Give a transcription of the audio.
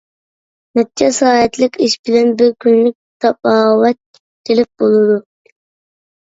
نەچچە سائەتلىك ئىش بىلەن بىر كۈنلۈك تاپاۋەت تىلىپ بولىدۇ.